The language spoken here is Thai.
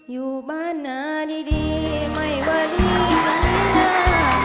อยู่บ้านหน้าดีไม่ว่าดีมากมา